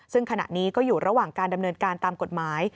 ซึ่งขณะนี้ก็อยู่ระหว่างการดำเนินการตามกฎหมาย